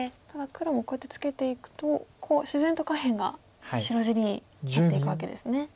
ただ黒もこうやってツケていくと自然と下辺が白地になっていくわけですね。